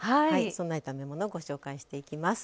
そんな炒め物ご紹介していきます。